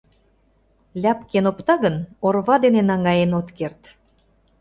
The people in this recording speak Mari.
Ляпкен опта гын, орва дене наҥгаен от керт.